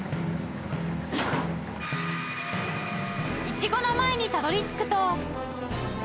イチゴの前にたどり着くと